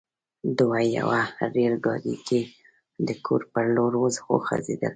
دوی په يوه ريل ګاډي کې د کور پر لور وخوځېدل.